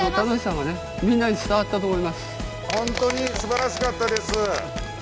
ほんとにすばらしかったです。